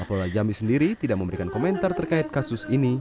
kapolda jambi sendiri tidak memberikan komentar terkait kasus ini